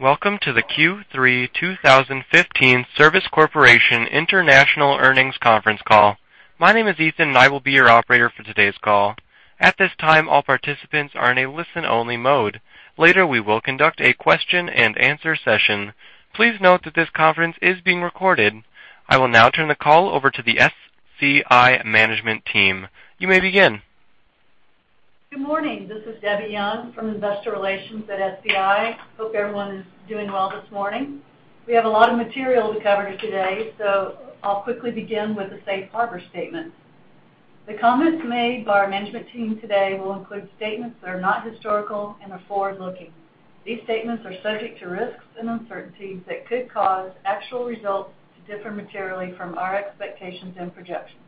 Welcome to the Q3 2015 Service Corporation International Earnings Conference Call. My name is Ethan and I will be your operator for today's call. At this time, all participants are in a listen-only mode. Later, we will conduct a question and answer session. Please note that this conference is being recorded. I will now turn the call over to the SCI management team. You may begin. Good morning. This is Debbie Young from Investor Relations at SCI. Hope everyone is doing well this morning. We have a lot of material to cover today. I'll quickly begin with the safe harbor statement. The comments made by our management team today will include statements that are not historical and are forward-looking. These statements are subject to risks and uncertainties that could cause actual results to differ materially from our expectations and projections.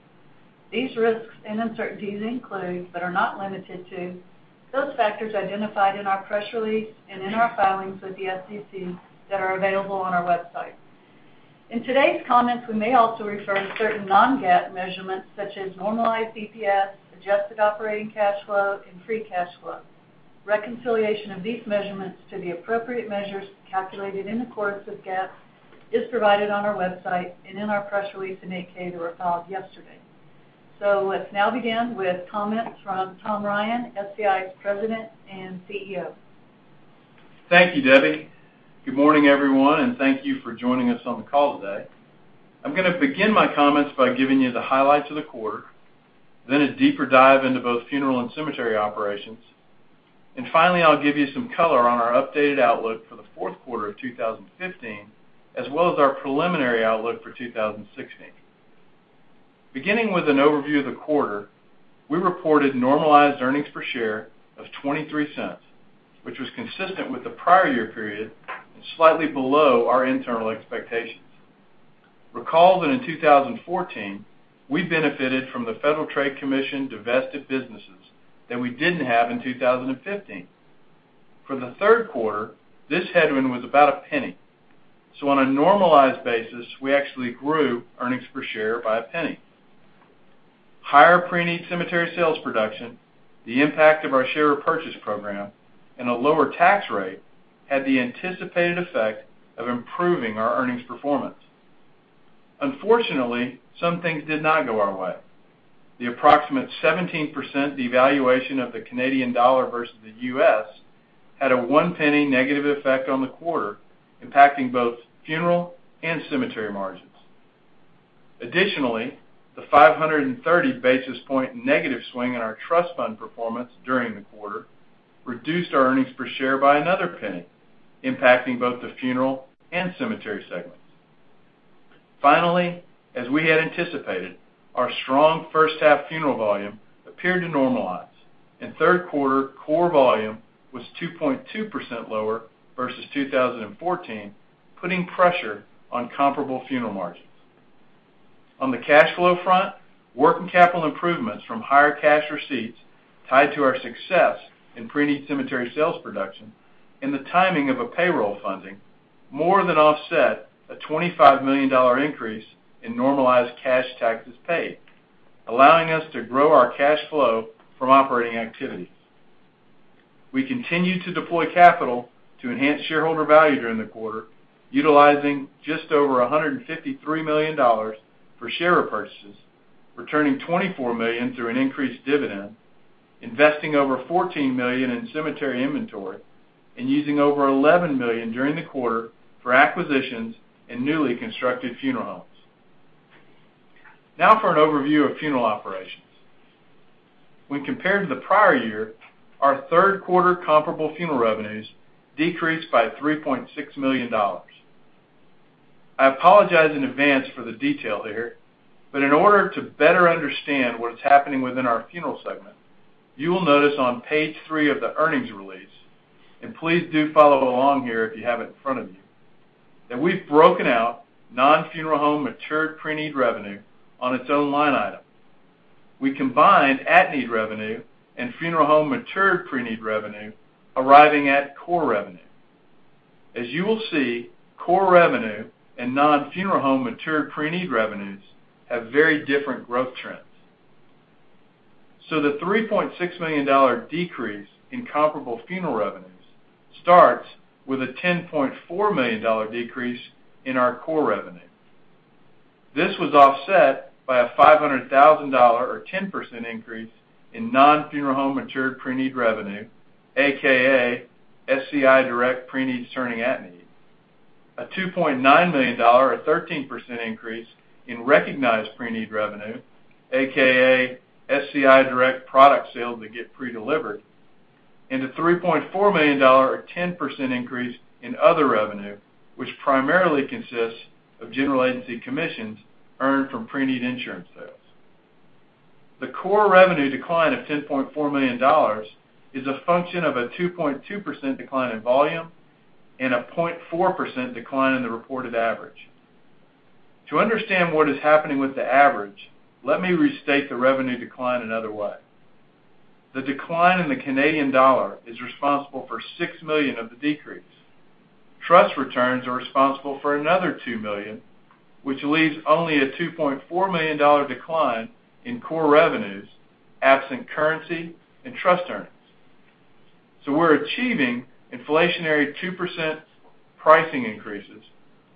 These risks and uncertainties include, but are not limited to, those factors identified in our press release and in our filings with the SEC that are available on our website. In today's comments, we may also refer to certain non-GAAP measurements such as Normalized EPS, Adjusted Operating Cash Flow, and Free Cash Flow. Reconciliation of these measurements to the appropriate measures calculated in accordance with GAAP is provided on our website and in our press release in 8-K that were filed yesterday. Let's now begin with comments from Tom Ryan, SCI's President and Chief Executive Officer. Thank you, Debbie. Good morning, everyone. Thank you for joining us on the call today. I'm going to begin my comments by giving you the highlights of the quarter, a deeper dive into both funeral and cemetery operations. Finally, I'll give you some color on our updated outlook for the fourth quarter of 2015, as well as our preliminary outlook for 2016. Beginning with an overview of the quarter, we reported Normalized EPS of $0.23, which was consistent with the prior year period and slightly below our internal expectations. Recall that in 2014, we benefited from the Federal Trade Commission-divested businesses that we didn't have in 2015. For the third quarter, this headwind was about $0.01. On a normalized basis, we actually grew earnings per share by $0.01. Higher Preneed Cemetery Sales production, the impact of our share repurchase program, and a lower tax rate had the anticipated effect of improving our earnings performance. Unfortunately, some things did not go our way. The approximate 17% devaluation of the Canadian dollar versus the U.S. had a $0.01 negative effect on the quarter, impacting both funeral and cemetery margins. Additionally, the 530 basis point negative swing in our trust fund performance during the quarter reduced our earnings per share by another $0.01, impacting both the funeral and cemetery segments. As we had anticipated, our strong first half funeral volume appeared to normalize, and third quarter core volume was 2.2% lower versus 2014, putting pressure on comparable funeral margins. On the cash flow front, working capital improvements from higher cash receipts tied to our success in Preneed Cemetery Sales production and the timing of a payroll funding more than offset a $25 million increase in normalized cash taxes paid, allowing us to grow our cash flow from operating activities. We continued to deploy capital to enhance shareholder value during the quarter, utilizing just over $153 million for share repurchases, returning $24 million through an increased dividend, investing over $14 million in cemetery inventory, and using over $11 million during the quarter for acquisitions in newly constructed funeral homes. For an overview of funeral operations. When compared to the prior year, our third quarter comparable funeral revenues decreased by $3.6 million. I apologize in advance for the detail here, in order to better understand what is happening within our funeral segment, you will notice on page three of the earnings release, and please do follow along here if you have it in front of you, that we've broken out non-funeral home matured preneed revenue on its own line item. We combined at-need revenue and funeral home matured preneed revenue, arriving at core revenue. As you will see, core revenue and non-funeral home matured preneed revenues have very different growth trends. The $3.6 million decrease in comparable funeral revenues starts with a $10.4 million decrease in our core revenue. This was offset by a $500,000 or 10% increase in non-funeral home matured preneed revenue, AKA SCI Direct preneed turning at-need. A $2.9 million or 13% increase in recognized preneed revenue, AKA SCI Direct product sales that get pre-delivered, and a $3.4 million or 10% increase in other revenue, which primarily consists of General Agency commissions earned from preneed insurance sales. The core revenue decline of $10.4 million is a function of a 2.2% decline in volume and a 0.4% decline in the reported average. To understand what is happening with the average, let me restate the revenue decline another way. The decline in the Canadian dollar is responsible for $6 million of the decrease. Trust returns are responsible for another $2 million. This leaves only a $2.4 million decline in core revenues, absent currency and trust earnings. We're achieving inflationary 2% pricing increases,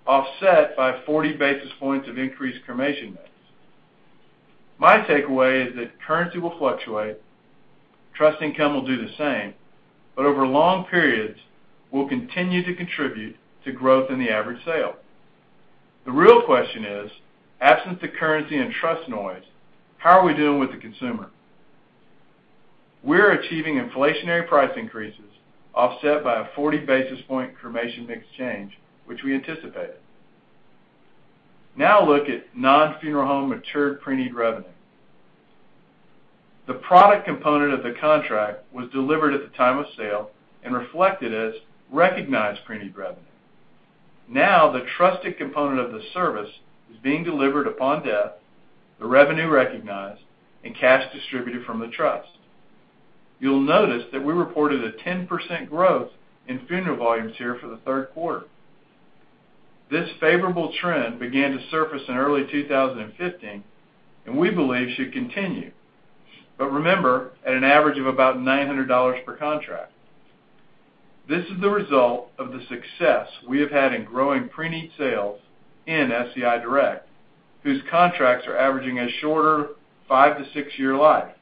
offset by 40 basis points of increased cremation rates. My takeaway is that currency will fluctuate, trust income will do the same, but over long periods will continue to contribute to growth in the average sale. The real question is, absent the currency and trust noise, how are we doing with the consumer? We're achieving inflationary price increases offset by a 40 basis point cremation mix change, which we anticipated. Look at non-funeral home matured Preneed revenue. The product component of the contract was delivered at the time of sale and reflected as recognized Preneed revenue. The trusted component of the service is being delivered upon death, the revenue recognized, and cash distributed from the trust. You'll notice that we reported a 10% growth in funeral volumes here for the third quarter. This favorable trend began to surface in early 2015, and we believe should continue. Remember, at an average of about $900 per contract. This is the result of the success we have had in growing Preneed sales in SCI Direct, whose contracts are averaging a shorter five to six-year life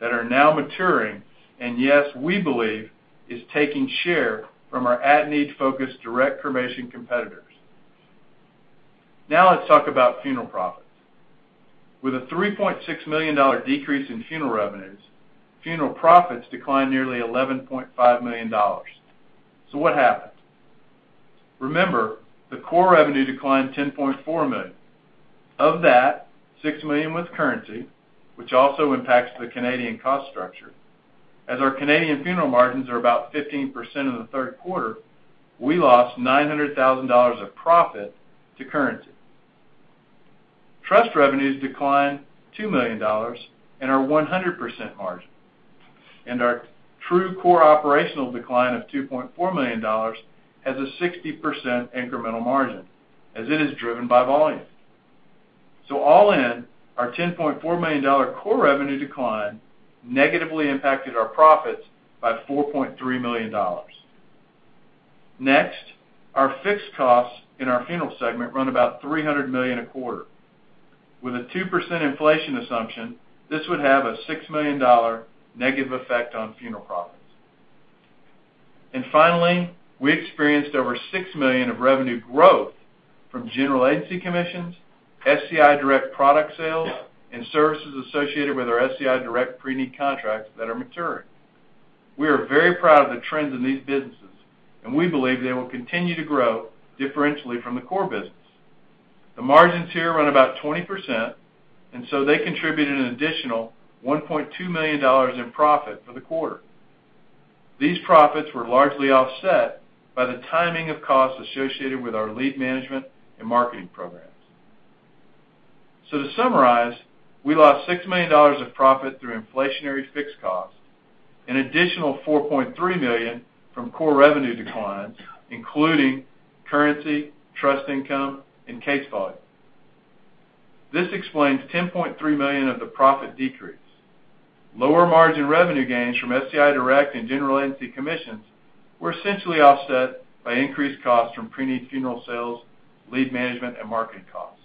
that are now maturing, and yes, we believe is taking share from our at-need focused direct cremation competitors. Let's talk about funeral profits. With a $3.6 million decrease in funeral revenues, funeral profits declined nearly $11.5 million. What happened? Remember, the core revenue declined $10.4 million. Of that, $6 million was currency, which also impacts the Canadian cost structure. As our Canadian funeral margins are about 15% in the third quarter, we lost $900,000 of profit to currency. Trust revenues declined $2 million and our 100% margin. Our true core operational decline of $2.4 million has a 60% incremental margin, as it is driven by volume. All in, our $10.4 million core revenue decline negatively impacted our profits by $4.3 million. Next, our fixed costs in our funeral segment run about $300 million a quarter. With a 2% inflation assumption, this would have a $6 million negative effect on funeral profits. Finally, we experienced over $6 million of revenue growth from General Agency commissions, SCI Direct product sales, and services associated with our SCI Direct Preneed contracts that are maturing. We are very proud of the trends in these businesses, and we believe they will continue to grow differentially from the core business. The margins here run about 20%, they contributed an additional $1.2 million in profit for the quarter. These profits were largely offset by the timing of costs associated with our lead management and marketing programs. To summarize, we lost $6 million of profit through inflationary fixed costs, an additional $4.3 million from core revenue declines, including currency, trust income, and case volume. This explains $10.3 million of the profit decrease. Lower margin revenue gains from SCI Direct and General Agency commissions were essentially offset by increased costs from Preneed Funeral Sales, lead management, and marketing costs.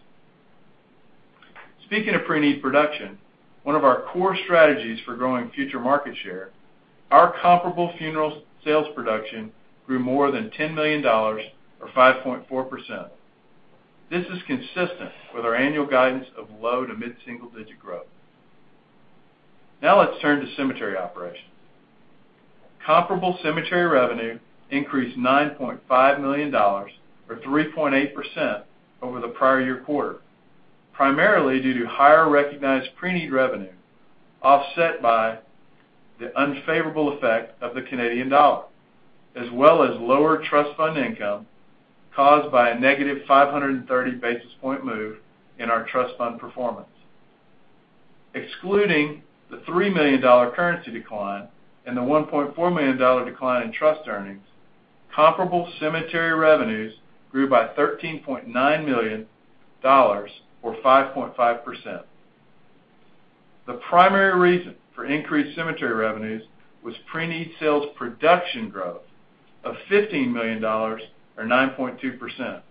Speaking of Preneed production, one of our core strategies for growing future market share, our comparable funeral sales production grew more than $10 million, or 5.4%. This is consistent with our annual guidance of low- to mid-single-digit growth. Let's turn to cemetery operations. Comparable cemetery revenue increased $9.5 million, or 3.8%, over the prior year quarter, primarily due to higher recognized preneed revenue offset by the unfavorable effect of the Canadian dollar, as well as lower trust fund income caused by a negative 530 basis point move in our trust fund performance. Excluding the $3 million currency decline and the $1.4 million decline in trust earnings, comparable cemetery revenues grew by $13.9 million or 5.5%. The primary reason for increased cemetery revenues was preneed sales production growth of $15 million or 9.2%.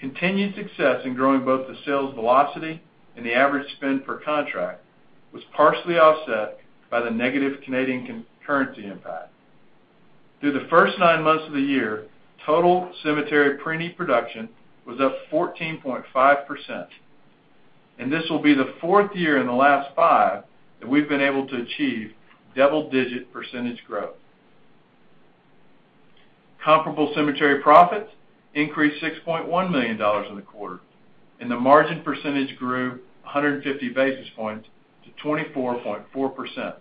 Continued success in growing both the sales velocity and the average spend per contract was partially offset by the negative Canadian currency impact. Through the first nine months of the year, total cemetery preneed production was up 14.5%, and this will be the fourth year in the last five that we've been able to achieve double-digit percentage growth. Comparable cemetery profits increased $6.1 million in the quarter, and the margin percentage grew 150 basis points to 24.4%.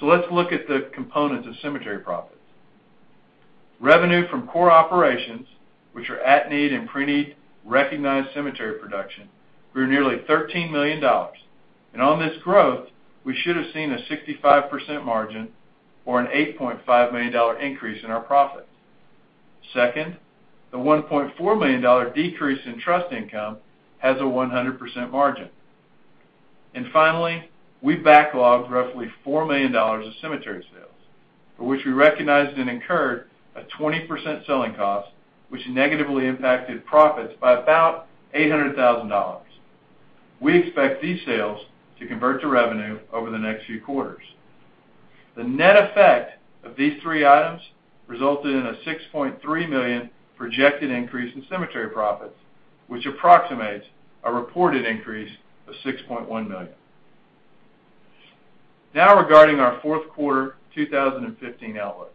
Let's look at the components of cemetery profits. Revenue from core operations, which are at need and preneed recognized cemetery production, grew nearly $13 million. On this growth, we should have seen a 65% margin or an $8.5 million increase in our profit. Second, the $1.4 million decrease in trust income has a 100% margin. Finally, we backlogged roughly $4 million of cemetery sales, for which we recognized and incurred a 20% selling cost, which negatively impacted profits by about $800,000. We expect these sales to convert to revenue over the next few quarters. The net effect of these three items resulted in a $6.3 million projected increase in cemetery profits, which approximates a reported increase of $6.1 million. Regarding our fourth quarter 2015 outlook.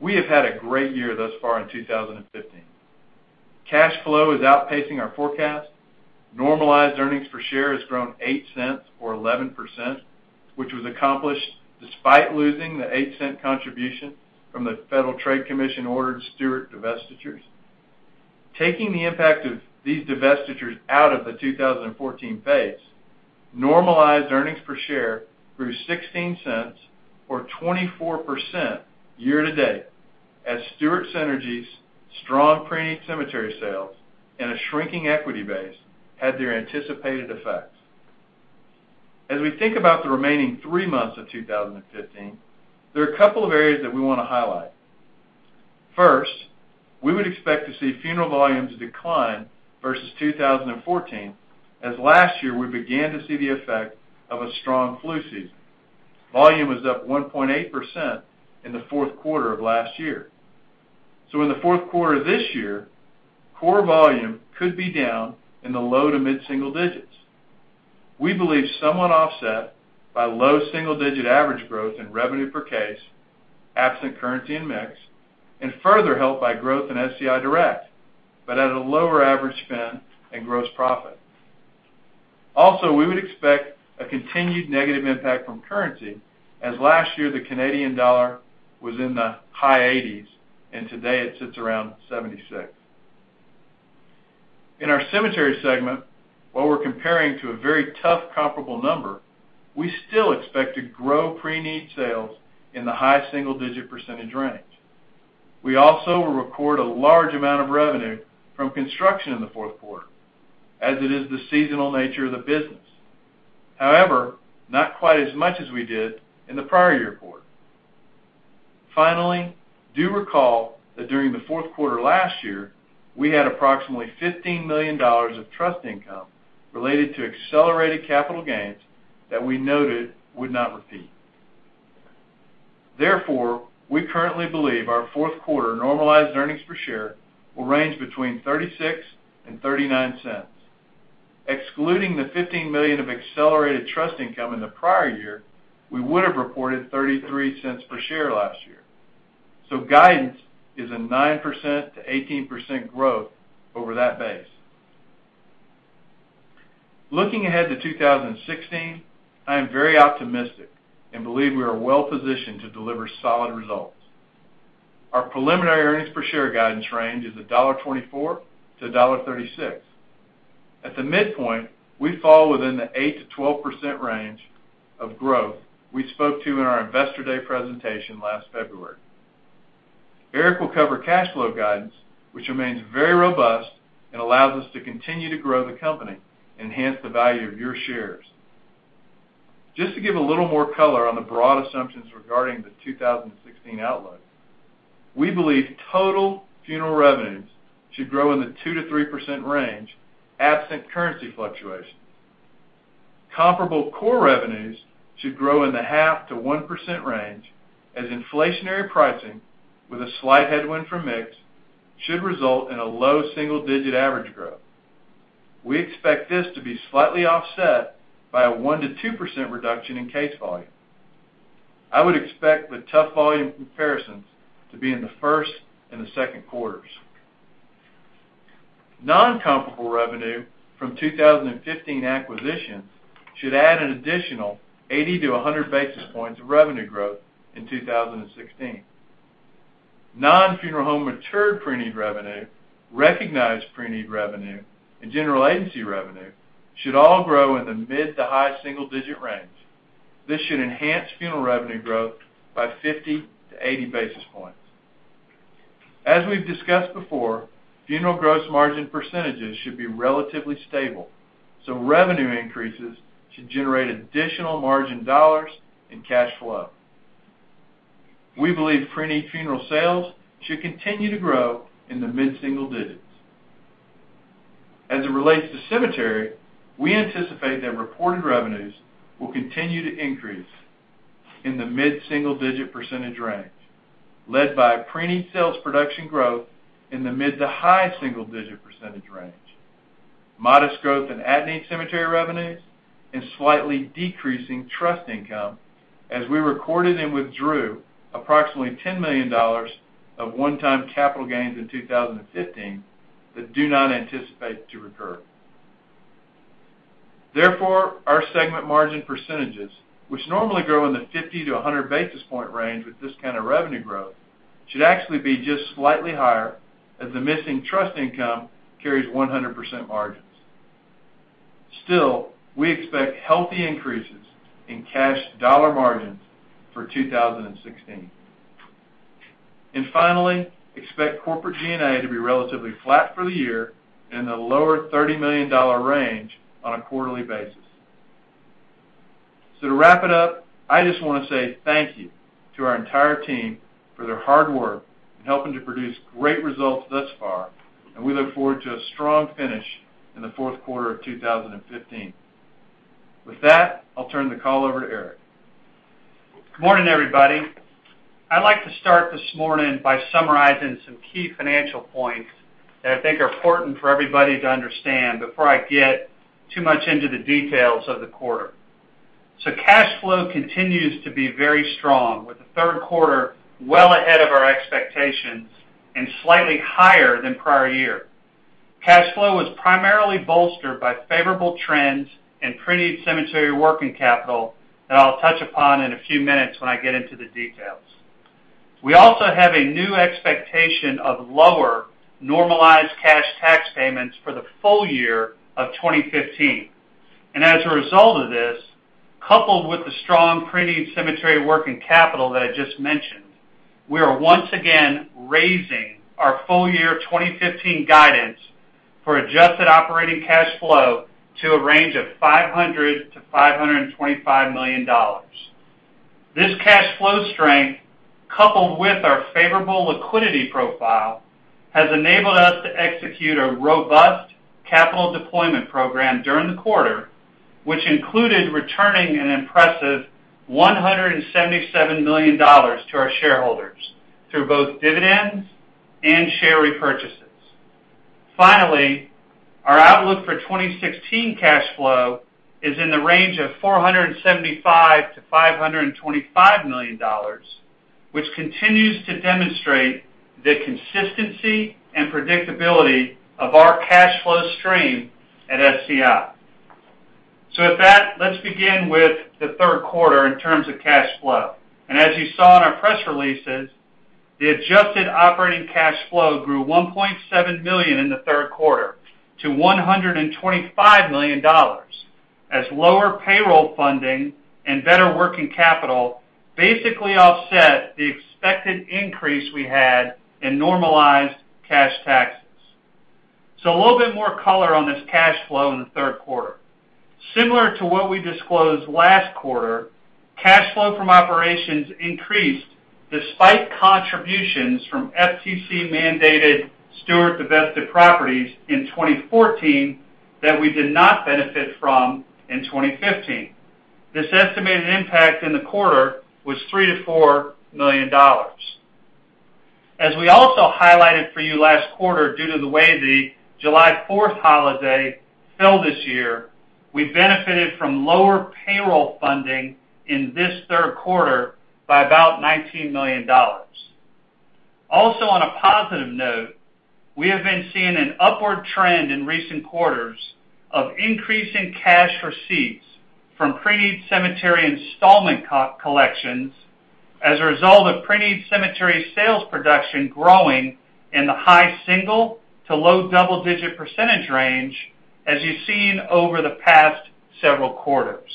We have had a great year thus far in 2015. Cash flow is outpacing our forecast. Normalized earnings per share has grown $0.08 or 11%, which was accomplished despite losing the $0.08 contribution from the Federal Trade Commission-ordered Stewart divestitures. Taking the impact of these divestitures out of the 2014 base, normalized earnings per share grew $0.16 or 24% year-to-date as Stewart synergies, strong pre-need cemetery sales, and a shrinking equity base had their anticipated effects. As we think about the remaining three months of 2015, there are a couple of areas that we want to highlight. First, we would expect to see funeral volumes decline versus 2014, as last year we began to see the effect of a strong flu season. Volume was up 1.8% in the fourth quarter of last year. In the fourth quarter this year, core volume could be down in the low to mid-single digits. We believe somewhat offset by low single-digit average growth in revenue per case, absent currency and mix, and further helped by growth in SCI Direct, but at a lower average spend and gross profit. We would expect a continued negative impact from currency, as last year the Canadian dollar was in the high 80s, and today it sits around 76. In our cemetery segment, while we're comparing to a very tough comparable number, we still expect to grow pre-need sales in the high single-digit percentage range. We also will record a large amount of revenue from construction in the fourth quarter, as it is the seasonal nature of the business. However, not quite as much as we did in the prior year quarter. Finally, do recall that during the fourth quarter last year, we had approximately $15 million of trust income related to accelerated capital gains that we noted would not repeat. We currently believe our fourth quarter normalized earnings per share will range between $0.36 and $0.39. Excluding the $15 million of accelerated trust income in the prior year, we would have reported $0.33 per share last year. Guidance is a 9%-18% growth over that base. Looking ahead to 2016, I am very optimistic and believe we are well positioned to deliver solid results. Our preliminary earnings per share guidance range is $1.24-$1.36. At the midpoint, we fall within the 8%-12% range of growth we spoke to in our Investor Day presentation last February. Eric will cover cash flow guidance, which remains very robust and allows us to continue to grow the company, enhance the value of your shares. Just to give a little more color on the broad assumptions regarding the 2016 outlook, we believe total funeral revenues should grow in the 2%-3% range, absent currency fluctuation. Comparable core revenues should grow in the half to 1% range, as inflationary pricing with a slight headwind from mix should result in a low single-digit average growth. We expect this to be slightly offset by a 1%-2% reduction in case volume. I would expect the tough volume comparisons to be in the first and second quarters. Non-comparable revenue from 2015 acquisitions should add an additional 80-100 basis points of revenue growth in 2016. Non-funeral home matured pre-need revenue, recognized pre-need revenue, and General Agency revenue should all grow in the mid to high single-digit range. This should enhance funeral revenue growth by 50-80 basis points. As we've discussed before, funeral gross margin percentages should be relatively stable. Revenue increases should generate additional margin dollars and cash flow. We believe Preneed Funeral Sales should continue to grow in the mid-single digits. As it relates to cemetery, we anticipate that reported revenues will continue to increase in the mid-single-digit percentage range, led by Preneed sales production growth in the mid to high single-digit percentage range, modest growth in at-need cemetery revenues, and slightly decreasing trust income as we recorded and withdrew approximately $10 million of one-time capital gains in 2015 that do not anticipate to recur. Our segment margin percentages, which normally grow in the 50-100 basis point range with this kind of revenue growth, should actually be just slightly higher as the missing trust income carries 100% margins. Still, we expect healthy increases in cash dollar margins for 2016. Finally, expect corporate G&A to be relatively flat for the year in the lower $30 million range on a quarterly basis. To wrap it up, I just want to say thank you to our entire team for their hard work in helping to produce great results thus far, and we look forward to a strong finish in the fourth quarter of 2015. With that, I'll turn the call over to Eric. Good morning, everybody. I'd like to start this morning by summarizing some key financial points that I think are important for everybody to understand before I get too much into the details of the quarter. Cash flow continues to be very strong, with the third quarter well ahead of our expectations and slightly higher than prior year. Cash flow was primarily bolstered by favorable trends and preneed cemetery working capital that I'll touch upon in a few minutes when I get into the details. We also have a new expectation of lower normalized cash tax payments for the full year of 2015. As a result of this, coupled with the strong preneed cemetery working capital that I just mentioned, we are once again raising our full year 2015 guidance for Adjusted Operating Cash Flow to a range of $500 million-$525 million. This cash flow strength, coupled with our favorable liquidity profile, has enabled us to execute a robust capital deployment program during the quarter, which included returning an impressive $177 million to our shareholders through both dividends and share repurchases. Finally, our outlook for 2016 cash flow is in the range of $475 million-$525 million, which continues to demonstrate the consistency and predictability of our cash flow stream at SCI. With that, let's begin with the third quarter in terms of cash flow. As you saw in our press releases, the Adjusted Operating Cash Flow grew $1.7 million in the third quarter to $125 million as lower payroll funding and better working capital basically offset the expected increase we had in normalized cash taxes. A little bit more color on this cash flow in the third quarter. Similar to what we disclosed last quarter, cash flow from operations increased despite contributions from FTC-mandated Stewart divested properties in 2014 that we did not benefit from in 2015. This estimated impact in the quarter was $3 million-$4 million. As we also highlighted for you last quarter, due to the way the July 4th holiday fell this year, we benefited from lower payroll funding in this third quarter by about $19 million. Also, on a positive note, we have been seeing an upward trend in recent quarters of increasing cash receipts from preneed cemetery installment collections as a result of preneed cemetery sales production growing in the high single to low double-digit percentage range, as you've seen over the past several quarters.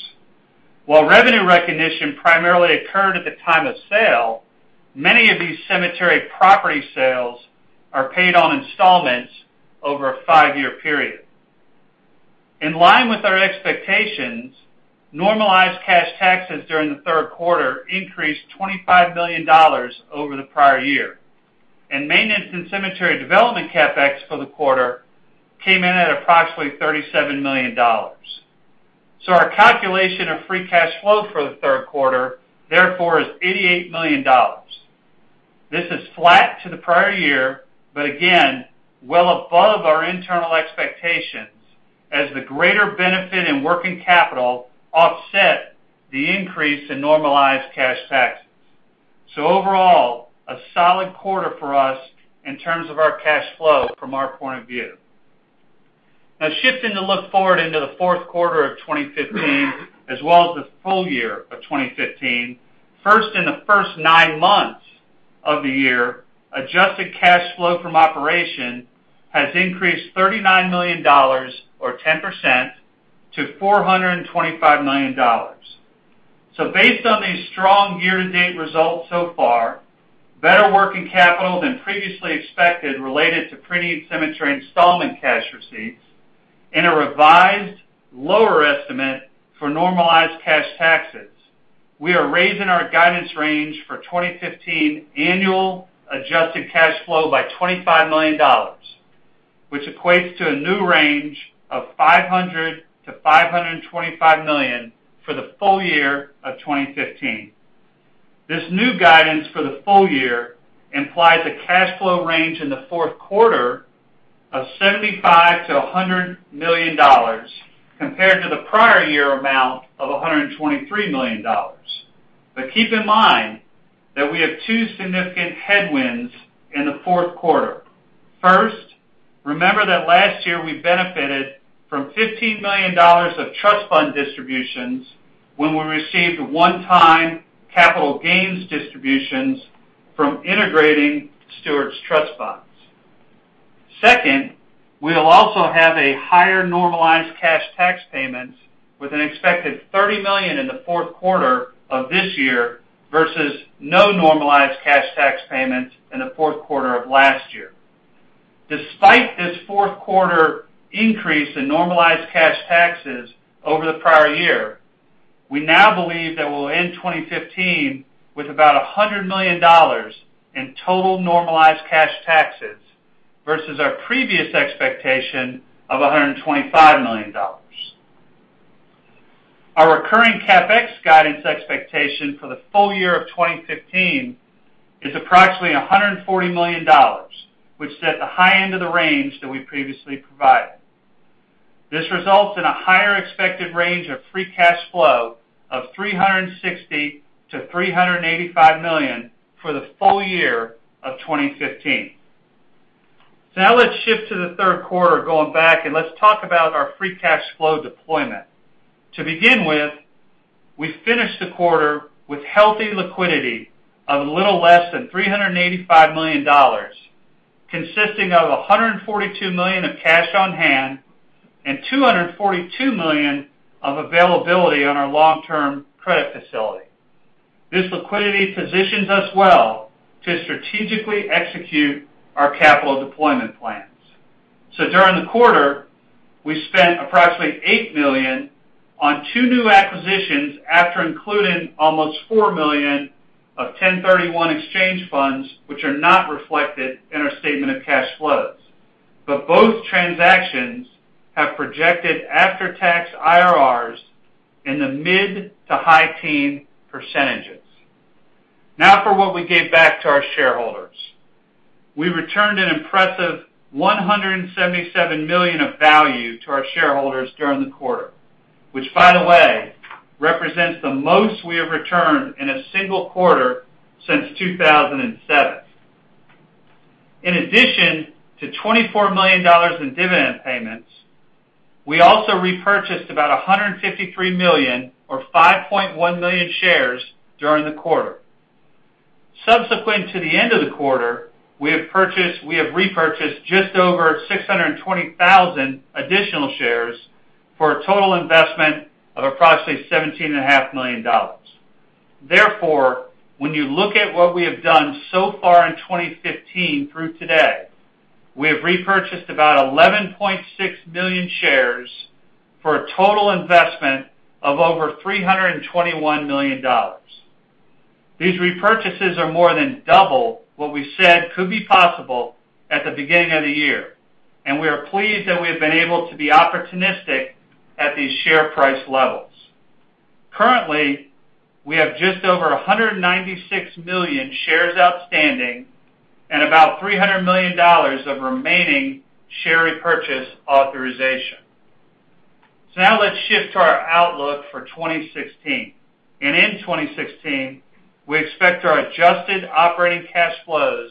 While revenue recognition primarily occurred at the time of sale, many of these cemetery property sales are paid on installments over a five-year period. In line with our expectations, normalized cash taxes during the third quarter increased $25 million over the prior year, and maintenance and cemetery development CapEx for the quarter came in at approximately $37 million. Our calculation of Free Cash Flow for the third quarter, therefore, is $88 million. This is flat to the prior year, but again, well above our internal expectations as the greater benefit in working capital offset the increase in normalized cash taxes. Overall, a solid quarter for us in terms of our cash flow from our point of view. Now, shifting to look forward into the fourth quarter of 2015 as well as the full year of 2015. First, in the first nine months of the year, adjusted cash flow from operation has increased $39 million or 10% to $425 million. Based on these strong year-to-date results so far, better working capital than previously expected related to preneed cemetery installment cash receipts and a revised lower estimate for normalized cash taxes, we are raising our guidance range for 2015 annual adjusted cash flow by $25 million, which equates to a new range of $500 million-$525 million for the full year of 2015. This new guidance for the full year implies a cash flow range in the fourth quarter of $75 million-$100 million, compared to the prior year amount of $123 million. Keep in mind that we have two significant headwinds in the fourth quarter. First, remember that last year we benefited from $15 million of trust fund distributions when we received one-time capital gains distributions from integrating Stewart's trust funds. Second, we'll also have a higher normalized cash tax payment with an expected $30 million in the fourth quarter of this year versus no normalized cash tax payment in the fourth quarter of last year. Despite this fourth quarter increase in normalized cash taxes over the prior year, we now believe that we'll end 2015 with about $100 million in total normalized cash taxes versus our previous expectation of $125 million. Our recurring CapEx guidance expectation for the full year of 2015 is approximately $140 million, which is at the high end of the range that we previously provided. This results in a higher expected range of Free Cash Flow of $360 million-$385 million for the full year of 2015. Now let's shift to the third quarter going back, and let's talk about our Free Cash Flow deployment. To begin with, we finished the quarter with healthy liquidity of a little less than $385 million, consisting of $142 million of cash on hand and $242 million of availability on our long-term credit facility. This liquidity positions us well to strategically execute our capital deployment plans. During the quarter, we spent approximately $8 million on two new acquisitions after including almost $4 million of 1031 exchange funds, which are not reflected in our statement of cash flows. Both transactions have projected after-tax IRRs in the mid to high teen percentages. Now for what we gave back to our shareholders. We returned an impressive $177 million of value to our shareholders during the quarter, which by the way, represents the most we have returned in a single quarter since 2007. In addition to $24 million in dividend payments, we also repurchased about $153 million or 5.1 million shares during the quarter. Subsequent to the end of the quarter, we have repurchased just over 620,000 additional shares for a total investment of approximately $17.5 million. Therefore, when you look at what we have done so far in 2015 through today, we have repurchased about 11.6 million shares for a total investment of over $321 million. These repurchases are more than double what we said could be possible at the beginning of the year, and we are pleased that we have been able to be opportunistic at these share price levels. Currently, we have just over 196 million shares outstanding and about $300 million of remaining share repurchase authorization. Now let's shift to our outlook for 2016. In 2016, we expect our adjusted operating cash flow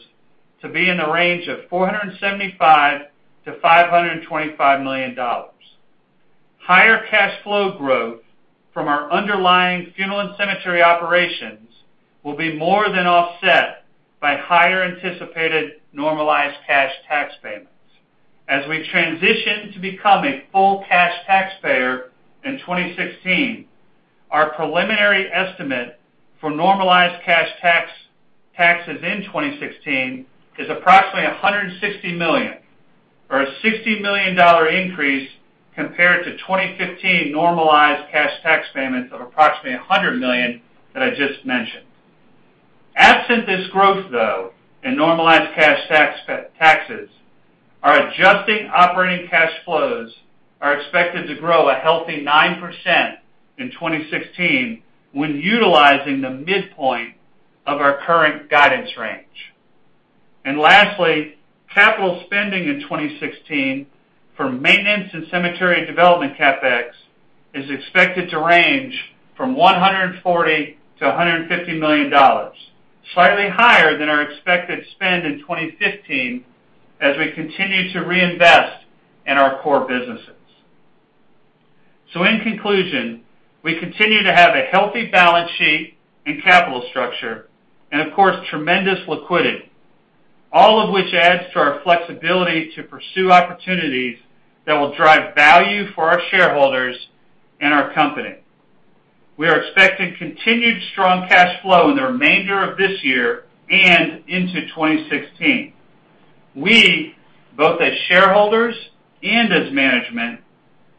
to be in the range of $475 million-$525 million. Higher cash flow growth from our underlying funeral and cemetery operations will be more than offset by higher anticipated normalized cash tax payments. As we transition to become a full cash taxpayer in 2016, our preliminary estimate for normalized cash taxes in 2016 is approximately $160 million, or a $60 million increase compared to 2015 normalized cash tax payments of approximately $100 million that I just mentioned. Absent this growth, though, in normalized cash taxes, our adjusting operating cash flows are expected to grow a healthy 9% in 2016 when utilizing the midpoint of our current guidance range. Lastly, capital spending in 2016 for maintenance and cemetery development CapEx is expected to range from $140 million-$150 million, slightly higher than our expected spend in 2015 as we continue to reinvest in our core businesses. In conclusion, we continue to have a healthy balance sheet and capital structure and of course, tremendous liquidity. All of which adds to our flexibility to pursue opportunities that will drive value for our shareholders and our company. We are expecting continued strong cash flow in the remainder of this year and into 2016. We, both as shareholders and as management,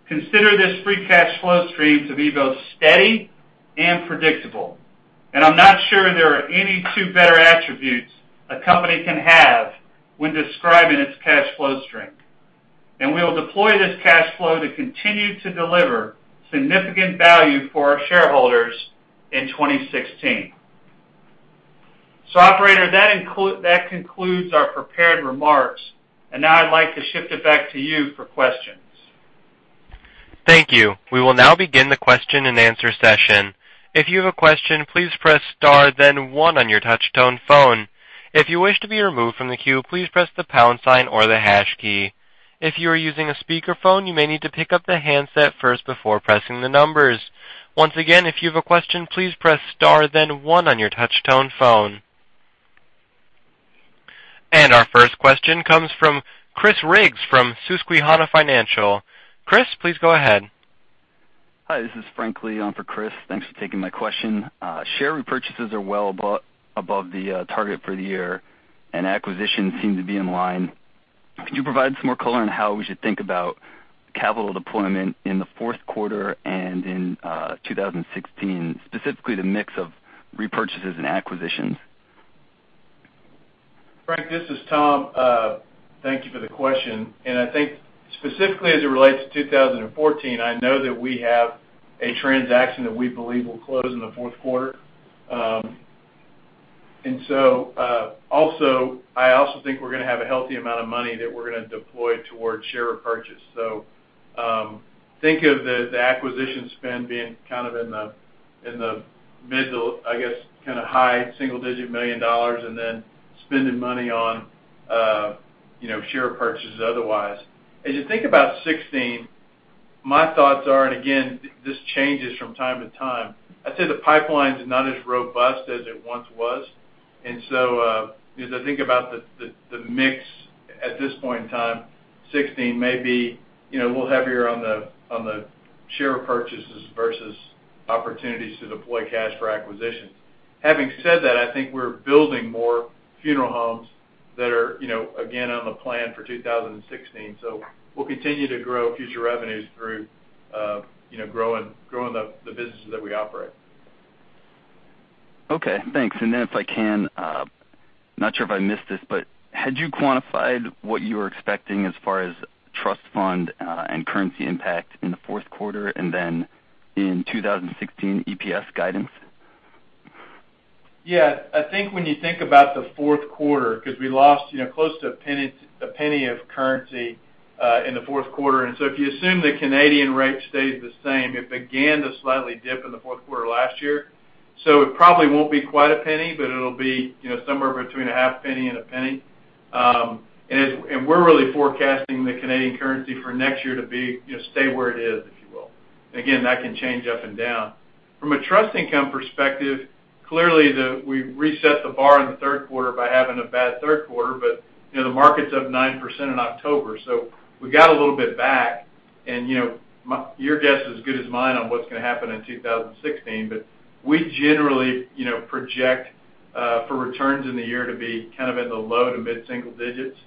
consider this Free Cash Flow stream to be both steady and predictable. I'm not sure there are any two better attributes a company can have when describing its cash flow strength. We will deploy this cash flow to continue to deliver significant value for our shareholders in 2016. Operator, that concludes our prepared remarks, and now I'd like to shift it back to you for questions. Thank you. We will now begin the question and answer session. If you have a question, please press star then one on your touchtone phone. If you wish to be removed from the queue, please press the pound sign or the hash key. If you are using a speakerphone, you may need to pick up the handset first before pressing the numbers. Once again, if you have a question, please press star then one on your touchtone phone. Our first question comes from Chris Rigg from Susquehanna Financial Group. Chris, please go ahead. Hi, this is Frank Lee on for Chris. Thanks for taking my question. Share repurchases are well above the target for the year, and acquisitions seem to be in line. Could you provide some more color on how we should think about capital deployment in the fourth quarter and in 2016, specifically the mix of repurchases and acquisitions? Frank, this is Tom. Thank you for the question. I think specifically as it relates to 2014, I know that we have a transaction that we believe will close in the fourth quarter. I also think we're going to have a healthy amount of money that we're going to deploy towards share repurchase. Think of the acquisition spend being in the middle, I guess, kind of high single-digit million dollars and then spending money on share purchases otherwise. As you think about 2016, my thoughts are. Again, this changes from time to time. I'd say the pipeline's not as robust as it once was. As I think about the mix at this point in time, 2016 may be a little heavier on the share purchases versus opportunities to deploy cash for acquisitions. Having said that, I think we're building more funeral homes that are, again, on the plan for 2016. We'll continue to grow future revenues through growing the businesses that we operate. Okay, thanks. If I can, I'm not sure if I missed this, but had you quantified what you were expecting as far as trust fund and currency impact in the fourth quarter and then in 2016 EPS guidance? I think when you think about the fourth quarter, because we lost close to $0.01 of currency in the fourth quarter, if you assume the Canadian rate stayed the same, it began to slightly dip in the fourth quarter last year. It probably won't be quite $0.01, but it'll be somewhere between $0.005 and $0.01. We're really forecasting the Canadian currency for next year to stay where it is, if you will. Again, that can change up and down. From a trust income perspective, clearly, we've reset the bar in the third quarter by having a bad third quarter, the market's up 9% in October, we got a little bit back and your guess is as good as mine on what's going to happen in 2016. We generally project for returns in the year to be kind of in the low- to mid-single digits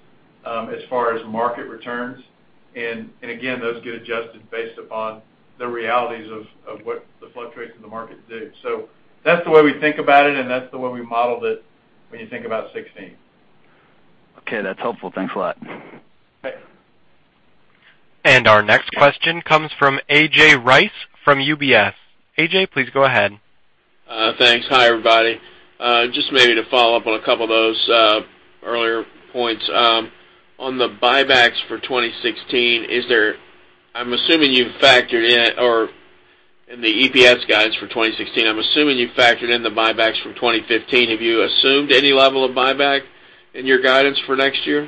as far as market returns, those get adjusted based upon the realities of what the fluctuations in the market do. That's the way we think about it, and that's the way we modeled it when you think about 2016. Okay, that's helpful. Thanks a lot. Okay. Our next question comes from A.J. Rice from UBS. A.J., please go ahead. Thanks. Hi, everybody. Just maybe to follow up on a couple of those earlier points. On the buybacks for 2016, I'm assuming you've factored in or in the EPS guidance for 2016, I'm assuming you've factored in the buybacks from 2015. Have you assumed any level of buyback in your guidance for next year?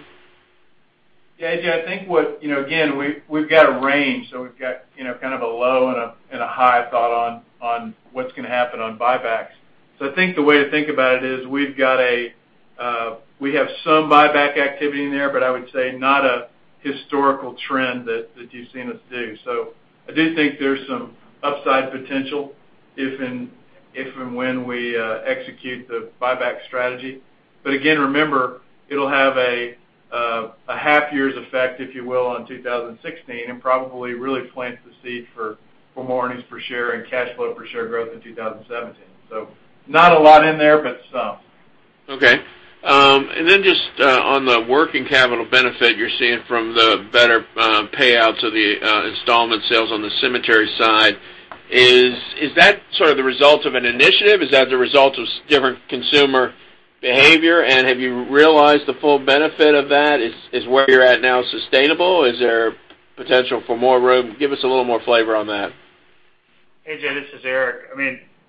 Yeah, A.J., I think, again, we've got a range, so we've got kind of a low and a high thought on what's going to happen on buybacks. I think the way to think about it is we have some buyback activity in there, but I would say not a historical trend that you've seen us do. I do think there's some upside potential if and when we execute the buyback strategy. Again, remember, it'll have a half year's effect, if you will, on 2016, and probably really plant the seed for more earnings per share and cash flow per share growth in 2017. Not a lot in there, but some. Okay. Just on the working capital benefit you're seeing from the better payouts of the installment sales on the cemetery side, is that sort of the result of an initiative? Is that the result of different consumer behavior? Have you realized the full benefit of that? Is where you're at now sustainable? Is there potential for more room? Give us a little more flavor on that. A.J., this is Eric.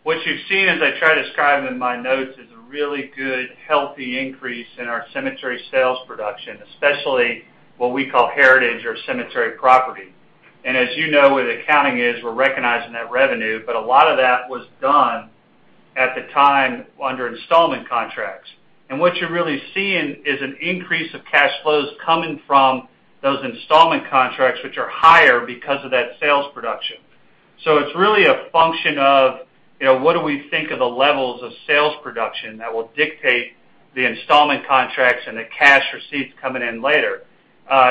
What you've seen, as I try to describe in my notes, is a really good, healthy increase in our cemetery sales production, especially what we call heritage or cemetery property. As you know, where the accounting is, we're recognizing that revenue, but a lot of that was done at the time under installment contracts. What you're really seeing is an increase of cash flows coming from those installment contracts, which are higher because of that sales production. It's really a function of what do we think are the levels of sales production that will dictate the installment contracts and the cash receipts coming in later.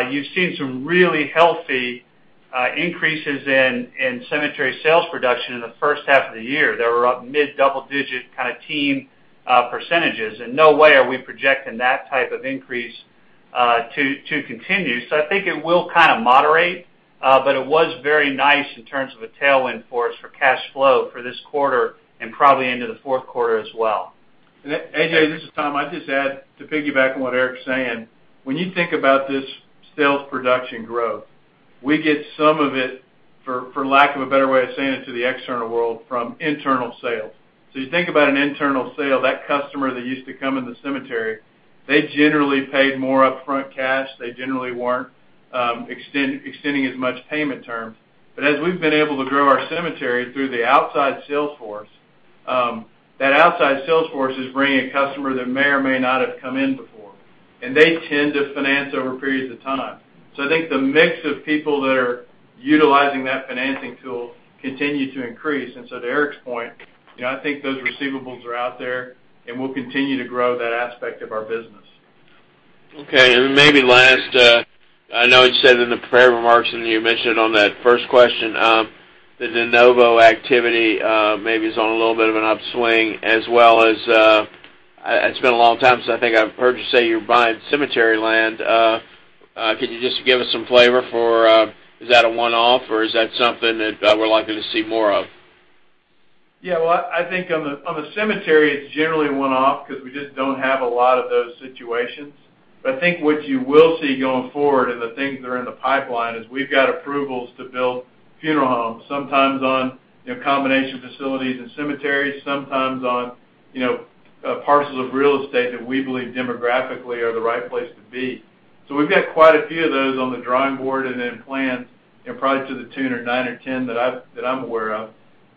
You've seen some really healthy increases in cemetery sales production in the first half of the year. They were up mid-double digit kind of teen percentages. In no way are we projecting that type of increase to continue. I think it will kind of moderate, but it was very nice in terms of a tailwind for us for cash flow for this quarter and probably into the fourth quarter as well. A.J., this is Tom. I'd just add to piggyback on what Eric's saying. When you think about this sales production growth, we get some of it, for lack of a better way of saying it to the external world, from internal sales. You think about an internal sale, that customer that used to come in the cemetery, they generally paid more upfront cash. They generally weren't extending as much payment terms. As we've been able to grow our cemetery through the outside sales force, that outside sales force is bringing a customer that may or may not have come in before, and they tend to finance over periods of time. I think the mix of people that are utilizing that financing tool continue to increase. To Eric's point, I think those receivables are out there, and we'll continue to grow that aspect of our business. Okay, maybe last, I know it said in the prepared remarks, and you mentioned on that first question, the de novo activity maybe is on a little bit of an upswing as well as, it's been a long time since I think I've heard you say you're buying cemetery land. Could you just give us some flavor for, is that a one-off or is that something that we're likely to see more of? Well, I think on the cemetery, it's generally a one-off because we just don't have a lot of those situations. I think what you will see going forward and the things that are in the pipeline is we've got approvals to build funeral homes, sometimes on combination facilities and cemeteries, sometimes on parcels of real estate that we believe demographically are the right place to be. We've got quite a few of those on the drawing board and in plans, and probably to the tune of nine or 10 that I'm aware of,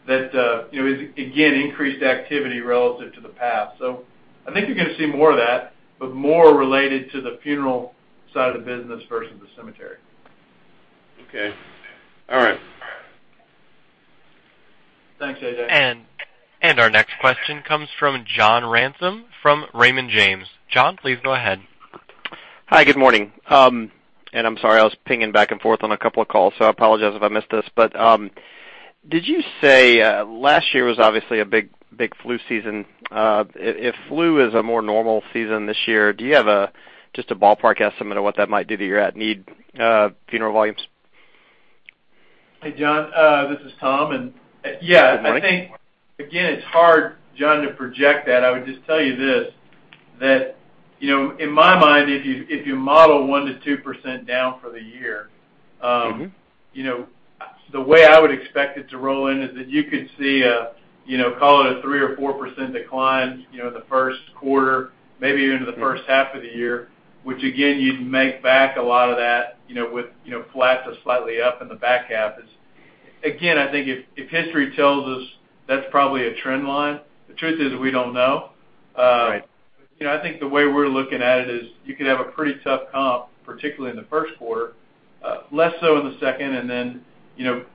that again, increased activity relative to the past. I think you're going to see more of that, but more related to the funeral side of the business versus the cemetery. Okay. All right. Thanks, A.J. Our next question comes from John Ransom from Raymond James. John, please go ahead. Hi, good morning. I'm sorry, I was pinging back and forth on a couple of calls, so I apologize if I missed this. Did you say last year was obviously a big flu season? If flu is a more normal season this year, do you have just a ballpark estimate of what that might do to your at-need funeral volumes? Hey, John. This is Tom. Good morning. I think, again, it's hard, John, to project that. I would just tell you this, that in my mind, if you model 1%-2% down for the year. the way I would expect it to roll in is that you could see a, call it a 3% or 4% decline in the first quarter, maybe even in the first half of the year, which again, you'd make back a lot of that with flat to slightly up in the back half is, again, I think if history tells us that's probably a trend line, the truth is we don't know. Right. I think the way we're looking at it is you could have a pretty tough comp, particularly in the first quarter, less so in the second,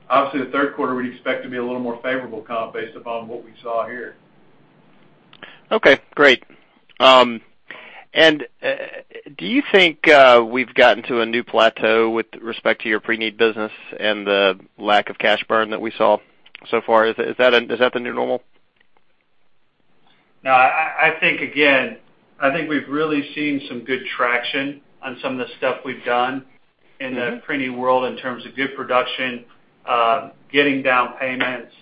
obviously the third quarter we'd expect to be a little more favorable comp based upon what we saw here. Okay, great. Do you think we've gotten to a new plateau with respect to your Preneed business and the lack of cash burn that we saw so far? Is that the new normal? No, I think, again, I think we've really seen some good traction on some of the stuff we've done in the Preneed world in terms of good production, getting down payments,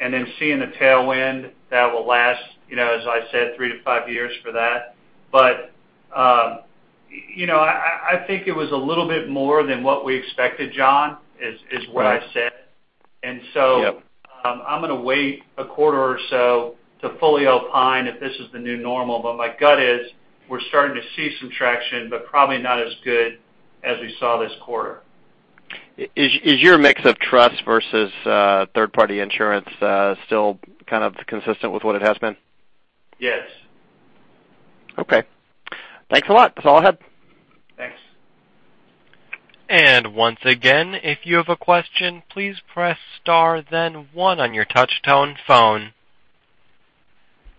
and then seeing the tailwind that will last, as I said, three to five years for that. I think it was a little bit more than what we expected, John, is what I said. Right. Yep. I'm going to wait a quarter or so to fully opine if this is the new normal, but my gut is we're starting to see some traction, but probably not as good as we saw this quarter. Is your mix of trust versus third-party insurance still kind of consistent with what it has been? Yes. Okay. Thanks a lot. That's all I had. Thanks. Once again, if you have a question, please press star then one on your touch tone phone.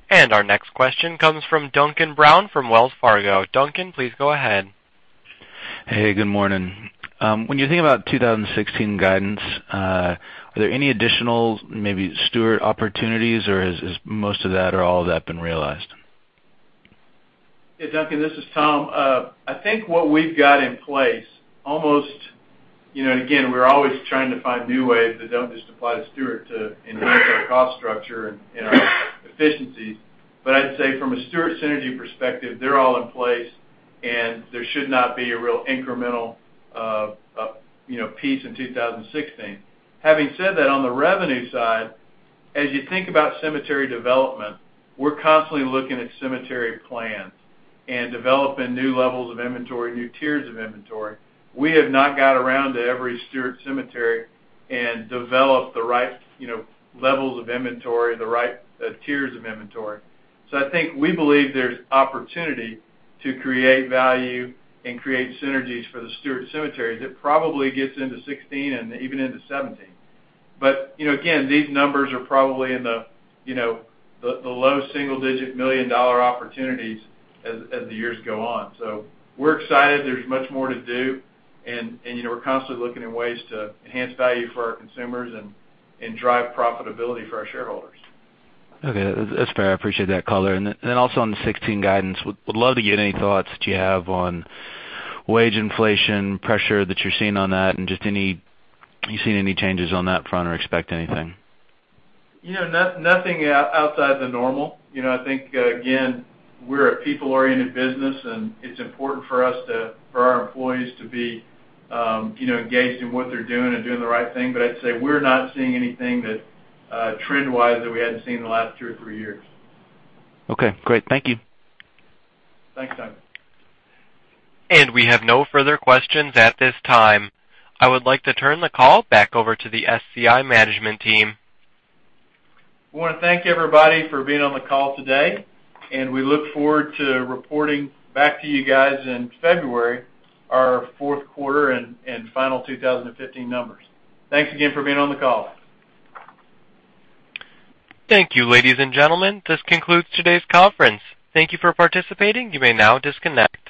Our next question comes from Duncan Brown from Wells Fargo. Duncan, please go ahead. Hey, good morning. When you think about 2016 guidance, are there any additional maybe Stewart opportunities, or has most of that or all of that been realized? Yeah, Duncan, this is Tom. I think what we've got in place. Again, we're always trying to find new ways that don't just apply to Stewart to enhance our cost structure and our efficiencies. I'd say from a Stewart synergy perspective, they're all in place, and there should not be a real incremental piece in 2016. Having said that, on the revenue side, as you think about cemetery development, we're constantly looking at cemetery plans and developing new levels of inventory, new tiers of inventory. We have not got around to every Stewart cemetery and developed the right levels of inventory, the right tiers of inventory. I think we believe there's opportunity to create value and create synergies for the Stewart cemeteries. It probably gets into 2016 and even into 2017. Again, these numbers are probably in the low single-digit million-dollar opportunities as the years go on. We're excited. There's much more to do, and we're constantly looking at ways to enhance value for our consumers and drive profitability for our shareholders. Okay, that's fair. I appreciate that color. Also on the 2016 guidance, would love to get any thoughts that you have on wage inflation pressure that you're seeing on that, and just you seeing any changes on that front or expect anything? Nothing outside the normal. I think, again, we're a people-oriented business, it's important for our employees to be engaged in what they're doing and doing the right thing. I'd say we're not seeing anything that trend-wise that we hadn't seen in the last two or three years. Okay, great. Thank you. Thanks, Duncan. We have no further questions at this time. I would like to turn the call back over to the SCI management team. We want to thank everybody for being on the call today, and we look forward to reporting back to you guys in February, our fourth quarter and final 2015 numbers. Thanks again for being on the call. Thank you, ladies and gentlemen. This concludes today's conference. Thank you for participating. You may now disconnect.